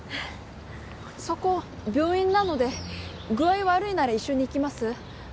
そこ病院なので具合悪いなら一緒に行きます？